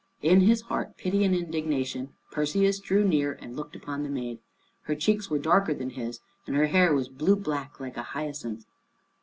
In his heart pity and indignation, Perseus drew near and looked upon the maid. Her cheeks were darker than his, and her hair was blue black like a hyacinth.